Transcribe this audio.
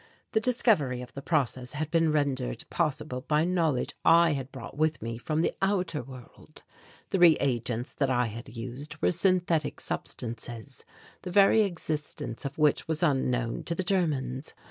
The discovery of the process had been rendered possible by knowledge I had brought with me from the outer world. The reagents that I had used were synthetic substances, the very existence of which was unknown to the Germans.